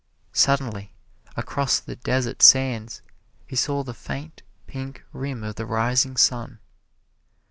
Suddenly across the desert sands he saw the faint pink rim of the rising sun.